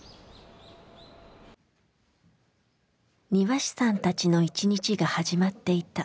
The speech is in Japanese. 庭師さんたちの一日が始まっていた。